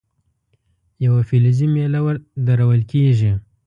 یوه فلزي میله درول کیږي.